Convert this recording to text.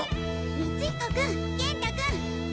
光彦君元太君！